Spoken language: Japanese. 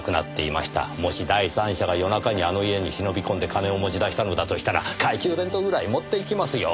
もし第三者が夜中にあの家に忍び込んで金を持ち出したのだとしたら懐中電灯ぐらい持っていきますよ。